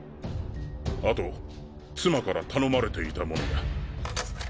あと妻から頼まれていたものが。